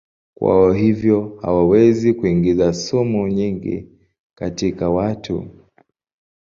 Kwa hivyo hawawezi kuingiza sumu nyingi katika watu.